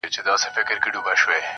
چي له سترگو څخه اوښكي راسي_